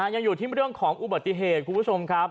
ยังอยู่ที่เรื่องของอุบัติเหตุคุณผู้ชมครับ